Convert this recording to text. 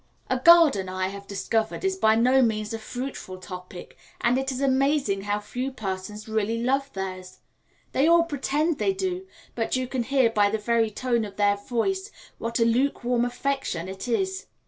A garden, I have discovered, is by no means a fruitful topic, and it is amazing how few persons really love theirs they all pretend they do, but you can hear by the very tone of their voice what a lukewarm affection it is.